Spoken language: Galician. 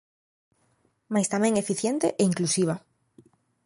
Mais tamén eficiente e inclusiva.